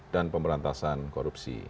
dan pemberantasan korupsi